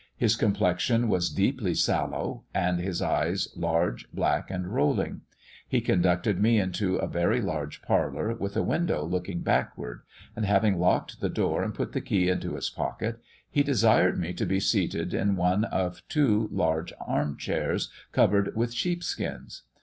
His complexion was deeply sallow, and his eyes large, black, and rolling. He conducted me into a very large parlour, with a window looking backward, and having locked the door and put the key into his pocket, he desired me to be seated in one of two large armchairs, covered with sheepskins.